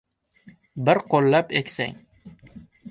Bir qo'llab eksang